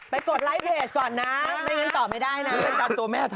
ไปกดไลฟ์เพจก่อนนะเป็นเงินตอบไม่ได้นะ